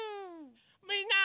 みんな。